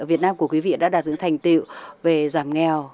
việt nam của quý vị đã đạt những thành tiệu về giảm nghèo